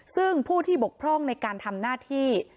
ซึ่งผู้ที่บกพร่องในการทำหน้าที่